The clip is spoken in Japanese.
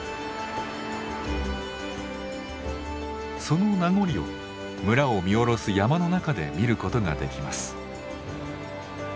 その名残を村を見下ろす山の中で見ることができます。